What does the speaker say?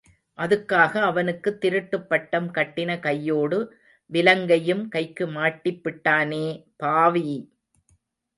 அதுக்காக அவனுக்குத் திருட்டுப் பட்டம் கட்டின கையோடு விலங்கையும் கைக்கு மாட்டிப்பிட்டானே பாவி..!